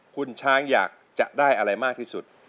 คุณช้างอยากจะได้อะไรมากที่สุด